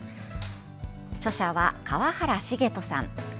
著者は川原繁人さん。